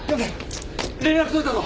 連絡取れたぞ。